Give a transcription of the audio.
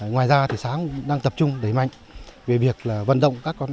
ngoài ra xã cũng đang tập trung đẩy mạnh về việc vận động các quản lý